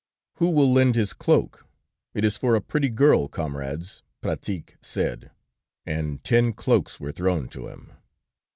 "'Who will lend his cloak? It is for a pretty girl, comrades,' Pratique said, and ten cloaks were thrown to him.